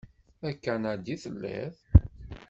D akanadi i telliḍ?